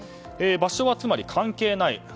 場所はつまり関係ない。